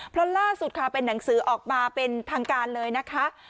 เพราะล่าสุดค่ะเป็นหนังสือออกมาเป็นทางการเลยนะคะ